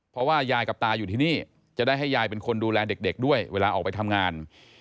เพราะว่ายายกับตาอยู่ที่นี่จะได้ให้ยายเป็นคนดูแลเด็กด้วยเวลาออกไปทำงาน